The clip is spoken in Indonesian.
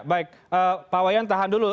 baik pak wayan tahan dulu